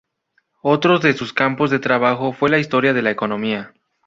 Otro de sus campos de trabajo fue la historia de la economía.